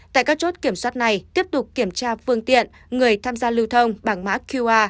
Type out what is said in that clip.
tại các chốt kiểm soát này tiếp tục kiểm tra phương tiện người tham gia lưu thông bằng mã qr